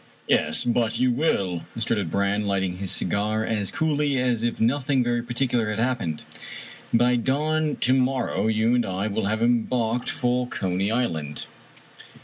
" Yes, but you will," asserted Brann, lighting his cigar as coolly as if nothing very particular had happened. " By dawn to morrow you and I will have embarked for Coney Island."